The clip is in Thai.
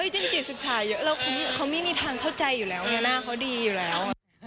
จริงจิตศึกษาเยอะแล้วเขาไม่มีทางเข้าใจอยู่แล้วไงหน้าเขาดีอยู่แล้ว